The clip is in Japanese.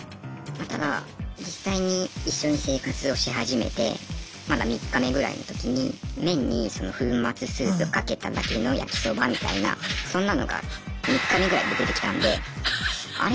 ただ実際に一緒に生活をし始めてまだ３日目ぐらいの時に麺に粉末スープかけただけの焼きそばみたいなそんなのが３日目ぐらいで出てきたんであれ？